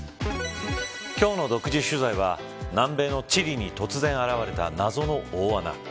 今日の独自取材は南米のチリに突然、現れた謎の大穴。